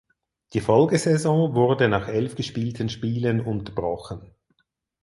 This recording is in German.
Die Folgesaison wurde nach elf gespielten Spielen unterbrochen.